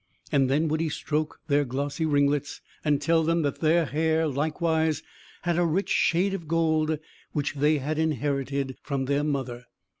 And then would he stroke their glossy ringlets, and tell them that their hair, likewise, had a rich shade of gold, which they had inherited from their mother.